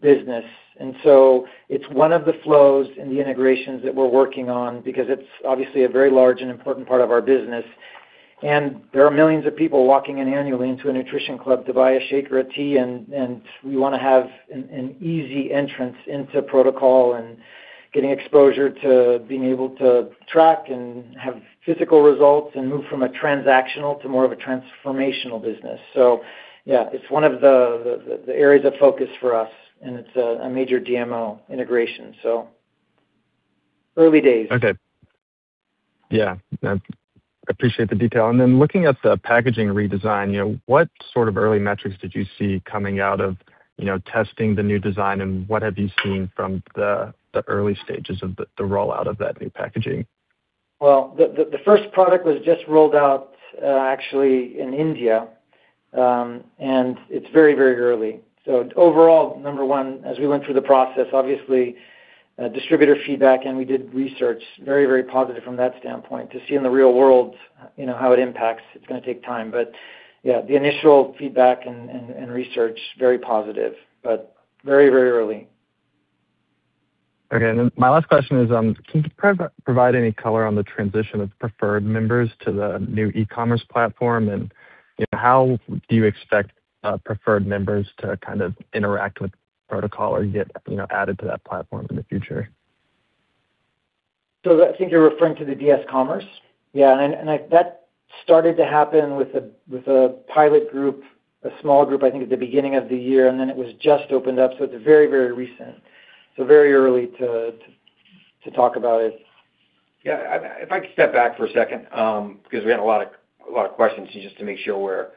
S3: business. It's one of the flows and the integrations that we're working on because it's obviously a very large and important part of our business. There are millions of people walking in annually into a Nutrition Club to buy a shake or a tea, and we wanna have an easy entrance into Pro2col and getting exposure to being able to track and have physical results and move from a transactional to more of a transformational business. Yeah, it's one of the areas of focus for us, and it's a major DMO integration, so early days.
S7: Okay. Yeah. I appreciate the detail. Looking at the packaging redesign, you know, what sort of early metrics did you see coming out of, you know, testing the new design, and what have you seen from the early stages of the rollout of that new packaging?
S3: Well, the first product was just rolled out, actually in India, and it's very, very early. Overall, number one, as we went through the process, obviously, distributor feedback, and we did research, very, very positive from that standpoint. To see in the real world, you know, how it impacts, it's gonna take time. Yeah, the initial feedback and research, very positive, but very, very early.
S7: Okay. My last question is, can you provide any color on the transition of preferred members to the new e-commerce platform, how do you expect preferred members to kind of interact with Pro2col or get, you know, added to that platform in the future?
S3: I think you're referring to the DS Commerce. Yeah, that started to happen with a, with a pilot group, a small group, I think, at the beginning of the year, and then it was just opened up. It's very, very recent. Very early to talk about it.
S4: Yeah. If I could step back for a second, because we had a lot of questions just to make sure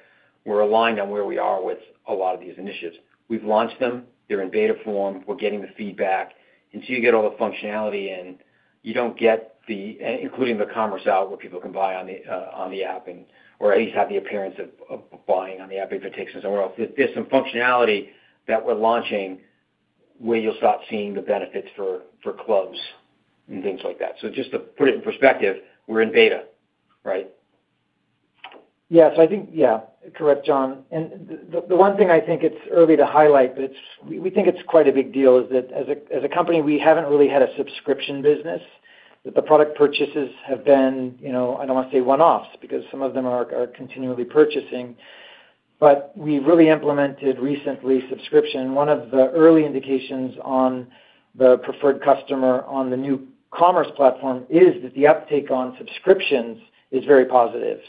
S4: we're aligned on where we are with a lot of these initiatives. We've launched them. They're in beta form. We're getting the feedback. Until you get all the functionality in, you don't get including the commerce out where people can buy on the app or at least have the appearance of buying on the app if it takes them somewhere else. There's some functionality that we're launching where you'll start seeing the benefits for clubs and things like that. Just to put it in perspective, we're in beta, right?
S3: Yes, I think, yeah. Correct, John. The one thing I think it's early to highlight, but we think it's quite a big deal, is that as a company, we haven't really had a subscription business, that the product purchases have been, you know, I don't want to say one-offs because some of them are continually purchasing. We really implemented recently subscription. One of the early indications on the preferred customer on the new commerce platform is that the uptake on subscriptions is very positive.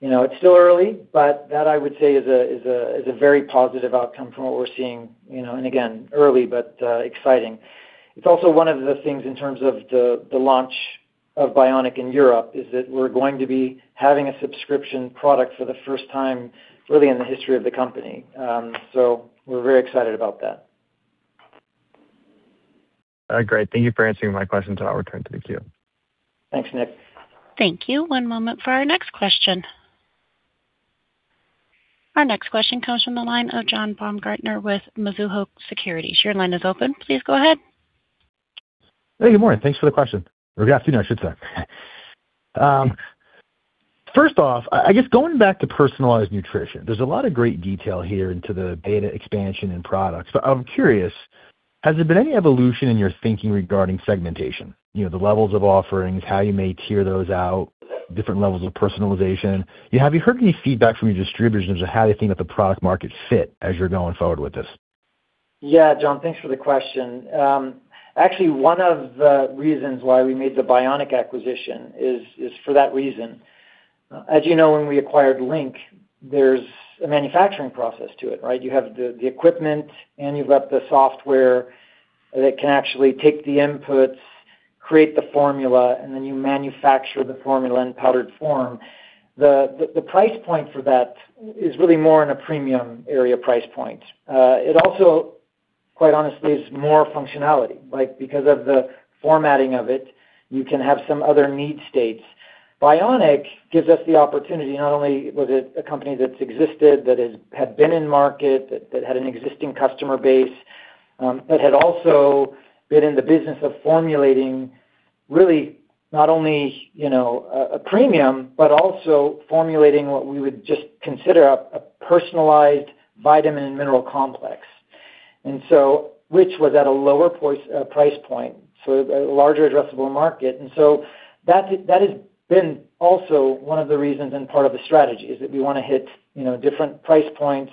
S3: You know, it's still early, but that I would say is a very positive outcome from what we're seeing, you know, and again, early but exciting. It's also one of the things in terms of the launch of Bioniq in Europe, is that we're going to be having a subscription product for the first time really in the history of the company. We're very excited about that.
S7: All right, great. Thank you for answering my questions. I'll return to the queue.
S3: Thanks, Nick.
S1: Thank you. One moment for our next question. Our next question comes from the line of John Baumgartner with Mizuho Securities. Your line is open. Please go ahead.
S8: Hey, good morning. Thanks for the question. Or afternoon, I should say. First off, I guess going back to personalized nutrition, there's a lot of great detail here into the beta expansion and products. I'm curious, has there been any evolution in your thinking regarding segmentation? You know, the levels of offerings, how you may tier those out, different levels of personalization. Have you heard any feedback from your distributors as to how they think that the product market fit as you're going forward with this?
S3: Yeah, John, thanks for the question. Actually, one of the reasons why we made the Bioniq acquisition is for that reason. As you know, when we acquired Link, there's a manufacturing process to it, right? You have the equipment and you've got the software that can actually take the inputs, create the formula, and then you manufacture the formula in powdered form. The price point for that is really more in a premium area price point. It also, quite honestly, is more functionality. Like, because of the formatting of it, you can have some other need states. Bioniq gives us the opportunity, not only was it a company that's existed, that had been in market, that had an existing customer base, but had also been in the business of formulating really not only, you know, a premium, but also formulating what we would just consider a personalized vitamin and mineral complex, which was at a lower price point, so a larger addressable market. That has been also one of the reasons and part of the strategy, is that we wanna hit, you know, different price points.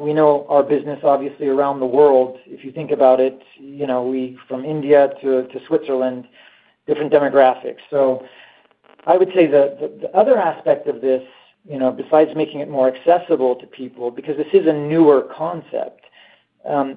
S3: We know our business obviously around the world. If you think about it, you know, we from India to Switzerland, different demographics. I would say the other aspect of this, you know, besides making it more accessible to people, because this is a newer concept,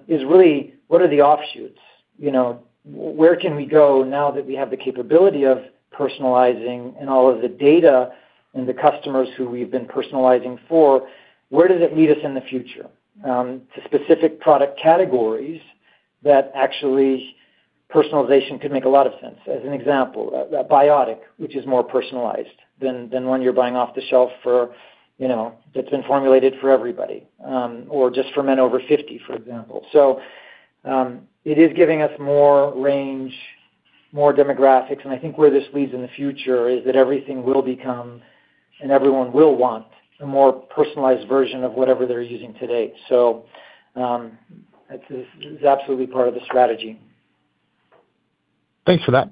S3: is really what are the offshoots? You know, where can we go now that we have the capability of personalizing and all of the data and the customers who we've been personalizing for, where does it lead us in the future? To specific product categories that actually personalization could make a lot of sense. As an example, Bioniq, which is more personalized than one you're buying off the shelf for, you know, that's been formulated for everybody, or just for men over 50, for example. It is giving us more range, more demographics, and I think where this leads in the future is that everything will become and everyone will want a more personalized version of whatever they're using today. That is absolutely part of the strategy.
S8: Thanks for that.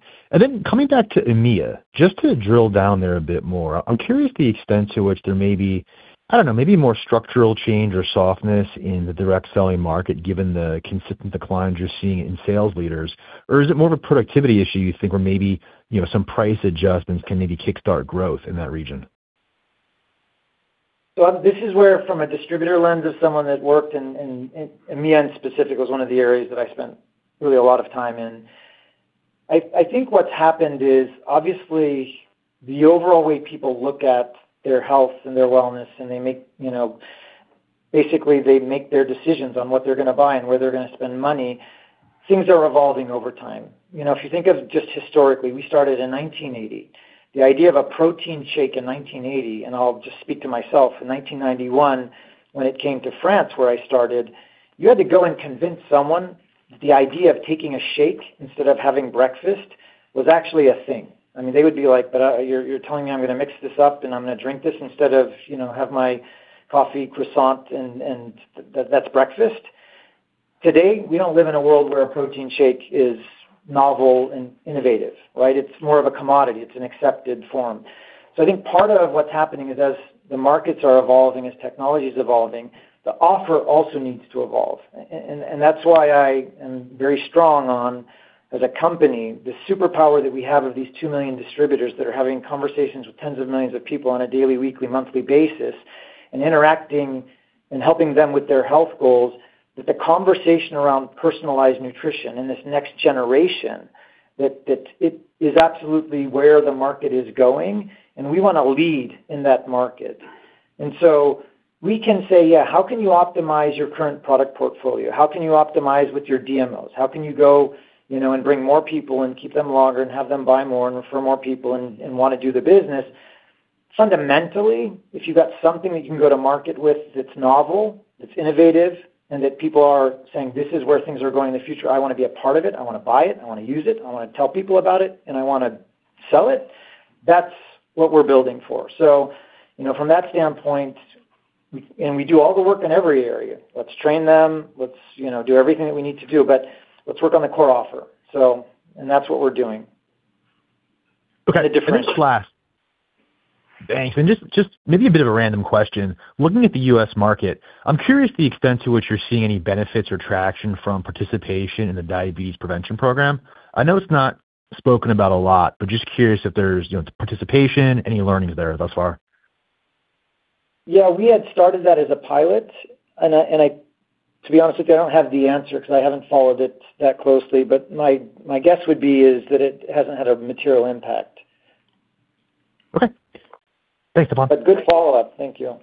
S8: Coming back to EMEA, just to drill down there a bit more, I'm curious the extent to which there may be, I don't know, maybe more structural change or softness in the direct selling market, given the consistent declines you're seeing in sales leaders, or is it more of a productivity issue, you think, where maybe, you know, some price adjustments can maybe kickstart growth in that region?
S3: This is where, from a distributor lens of someone that worked in EMEA in specific was one of the areas that I spent really a lot of time in. I think what's happened is obviously the overall way people look at their health and their wellness, and they make, you know, basically, they make their decisions on what they're gonna buy and where they're gonna spend money. Things are evolving over time. You know, if you think of just historically, we started in 1980. The idea of a protein shake in 1980, and I'll just speak to myself, in 1991 when it came to France, where I started, you had to go and convince someone the idea of taking a shake instead of having breakfast was actually a thing. I mean, they would be like, but, you're telling me I'm gonna mix this up and I'm gonna drink this instead of, you know, have my coffee, croissant, and that's breakfast? Today, we don't live in a world where a protein shake is novel and innovative, right? It's more of a commodity. It's an accepted form. I think part of what's happening is as the markets are evolving, as technology is evolving, the offer also needs to evolve. That's why I am very strong on, as a company, the superpower that we have of these 2 million distributors that are having conversations with tens of millions of people on a daily, weekly, monthly basis and interacting and helping them with their health goals, that the conversation around personalized nutrition and this next generation, that it is absolutely where the market is going, and we wanna lead in that market. We can say, yeah, how can you optimize your current product portfolio? How can you optimize with your DMOs? How can you go, you know, and bring more people and keep them longer and have them buy more and refer more people and wanna do the business? Fundamentally, if you've got something that you can go to market with that's novel, that's innovative, and that people are saying, this is where things are going in the future. I wanna be a part of it. I wanna buy it. I wanna use it. I wanna tell people about it, and I wanna sell it, that's what we're building for. You know, from that standpoint, we do all the work in every area. Let's train them. Let's, you know, do everything that we need to do, but let's work on the core offer. That's what we're doing.
S8: Just maybe a bit of a random question. Looking at the U.S. market, I'm curious the extent to which you're seeing any benefits or traction from participation in the Diabetes Prevention Program. I know it's not spoken about a lot, but just curious if there's, you know, participation, any learnings there thus far.
S3: Yeah. We had started that as a pilot, and I to be honest with you, I don't have the answer 'cause I haven't followed it that closely. My guess would be is that it hasn't had a material impact.
S8: Okay. Thanks, Stephan.
S3: Good follow-up. Thank you.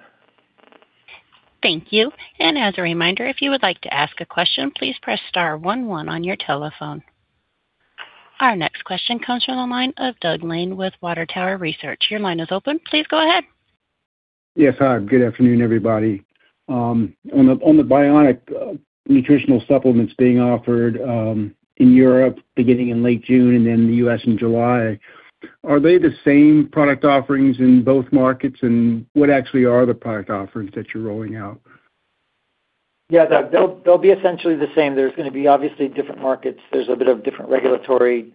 S1: Thank you. As a reminder, if you would like to ask a question, please press star one, one on your telephone. Our next question comes from the line of Doug Lane with Water Tower Research. Your line is open. Please go ahead.
S9: Yes, hi. Good afternoon, everybody. On the Bioniq nutritional supplements being offered in Europe beginning in late June and then the U.S. in July, are they the same product offerings in both markets, and what actually are the product offerings that you're rolling out?
S3: Doug, they'll be essentially the same. There's gonna be obviously different markets. There's a bit of different regulatory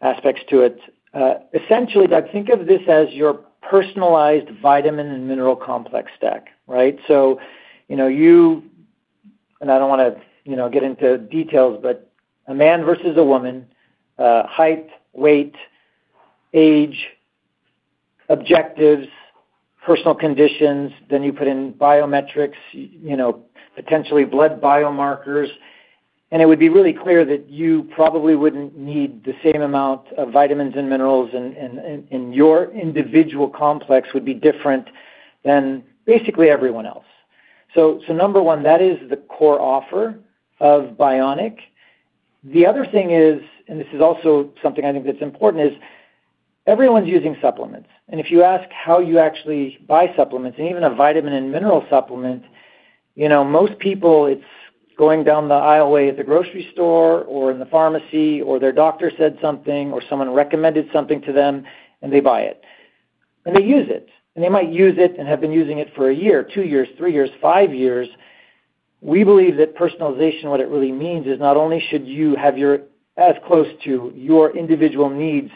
S3: aspects to it. Essentially, Doug, think of this as your personalized vitamin and mineral complex stack, right? You know, you And I don't wanna, you know, get into details, but a man versus a woman, height, weight, age, objectives, personal conditions, then you put in biometrics, you know, potentially blood biomarkers, and it would be really clear that you probably wouldn't need the same amount of vitamins and minerals and your individual complex would be different than basically everyone else. Number one, that is the core offer of Bioniq. The other thing is, and this is also something I think that's important, is everyone's using supplements. If you ask how you actually buy supplements and even a vitamin and mineral supplement, you know, most people it's going down the aisle way at the grocery store or in the pharmacy or their doctor said something or someone recommended something to them and they buy it. They use it, and they might use it and have been using it for a year, two years, three years, five years. We believe that personalization, what it really means is not only should you have as close to your individual needs,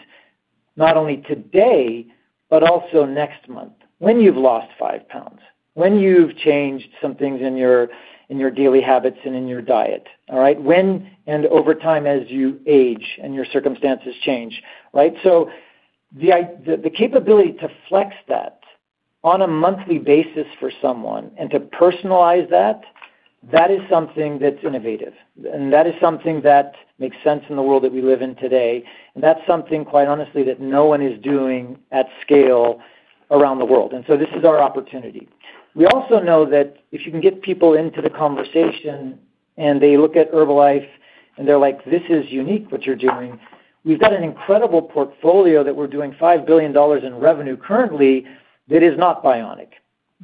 S3: not only today, but also next month when you've lost 5 lbs, when you've changed some things in your, in your daily habits and in your diet, all right. Over time as you age and your circumstances change, right. The capability to flex that on a monthly basis for someone and to personalize that is something that's innovative, and that is something that makes sense in the world that we live in today. That's something, quite honestly, that no one is doing at scale around the world. This is our opportunity. We also know that if you can get people into the conversation and they look at Herbalife and they're like, this is unique what you're doing, we've got an incredible portfolio that we're doing $5 billion in revenue currently that is not Bioniq.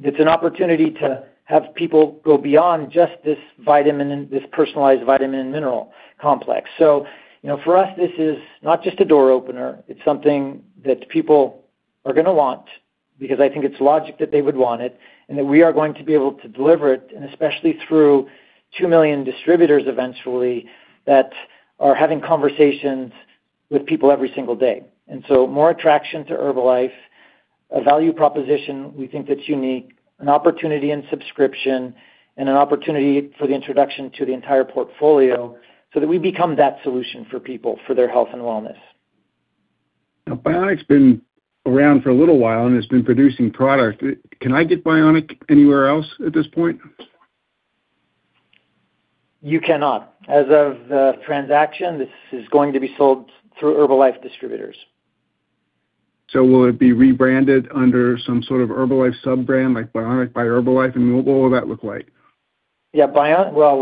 S3: It's an opportunity to have people go beyond just this vitamin and this personalized vitamin and mineral complex. You know, for us, this is not just a door opener, it's something that people are gonna want because I think it's logic that they would want it, and that we are going to be able to deliver it, and especially through 2 million distributors eventually that are having conversations with people every single day. More attraction to Herbalife, a value proposition we think that's unique, an opportunity in subscription, and an opportunity for the introduction to the entire portfolio so that we become that solution for people for their health and wellness.
S9: Bioniq's been around for a little while, and it's been producing product. Can I get Bioniq anywhere else at this point?
S3: You cannot. As of the transaction, this is going to be sold through Herbalife distributors.
S9: Will it be rebranded under some sort of Herbalife sub-brand like Bioniq by Herbalife, and what will that look like?
S3: Yeah. Well,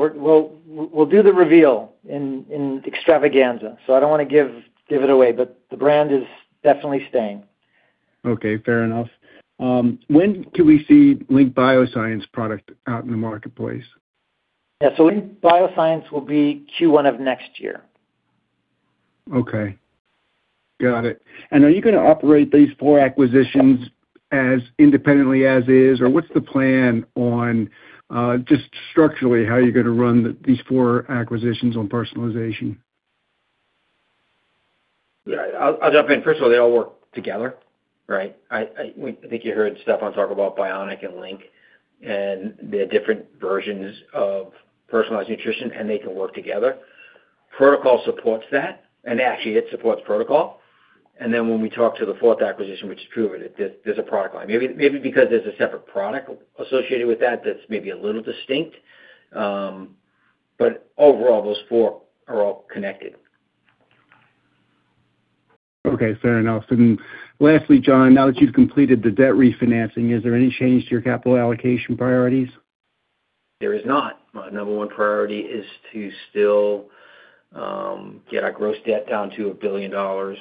S3: we'll do the reveal in Extravaganza, so I don't wanna give it away, but the brand is definitely staying.
S9: Okay, fair enough. When can we see Link BioSciences product out in the marketplace?
S3: Yeah. Link BioSciences will be Q1 of next year.
S9: Okay. Got it. Are you gonna operate these four acquisitions as independently as is, or what's the plan on, just structurally how you're gonna run these four acquisitions on personalization?
S4: I'll jump in. First of all, they all work together, right? I think you heard Stephan talk about Bioniq and Link and their different versions of personalized nutrition, and they can work together. Pro2col supports that, and actually it supports Pro2col. Then when we talk to the fourth acquisition, which is Pruvit, there's a product line. Maybe because there's a separate product associated with that that's maybe a little distinct. Overall, those four are all connected.
S9: Okay, fair enough. Lastly, John, now that you've completed the debt refinancing, is there any change to your capital allocation priorities?
S4: There is not. My number one priority is to still get our gross debt down to $1 billion, $1.4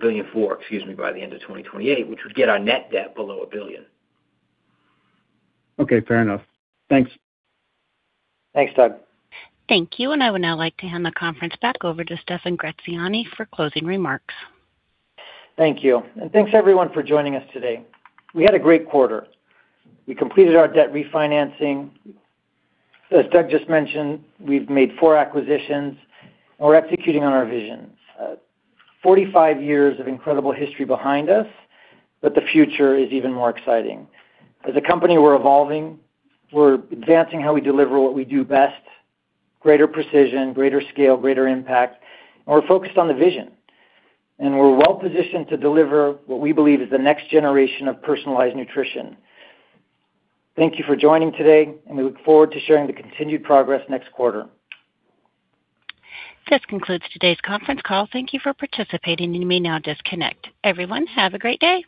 S4: billion, excuse me, by the end of 2028, which would get our net debt below $1 billion.
S9: Okay, fair enough. Thanks.
S4: Thanks, Doug.
S1: Thank you. I would now like to hand the conference back over to Stephan Gratziani for closing remarks.
S3: Thank you. Thanks everyone for joining us today. We had a great quarter. We completed our debt refinancing. As Doug just mentioned, we've made four acquisitions, and we're executing on our visions. 45 years of incredible history behind us, the future is even more exciting. As a company, we're evolving. We're advancing how we deliver what we do best, greater precision, greater scale, greater impact, and we're focused on the vision. We're well-positioned to deliver what we believe is the next generation of personalized nutrition. Thank you for joining today, and we look forward to sharing the continued progress next quarter.
S1: This concludes today's conference call. Thank you for participating. You may now disconnect. Everyone, have a great day.